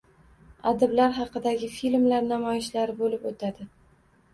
Adiblar haqidagi filmlar namoyishlari boʻlib oʻtadi.